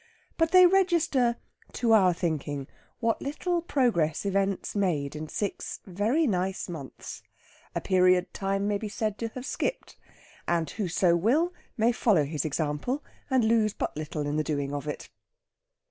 But they register, to our thinking, what little progress events made in six very nice months a period Time may be said to have skipped. And whoso will may follow his example, and lose but little in the doing of it.